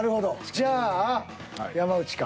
じゃあ山内か。